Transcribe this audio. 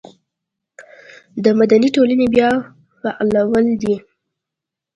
د مدني ټولنې بیا فعالول دي.